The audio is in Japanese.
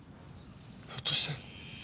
ひょっとして。